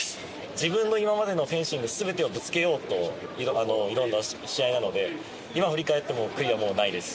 自分の今までのフェンシングすべてをぶつけようと挑んだ試合なので、今振り返っても、悔いはもうないです。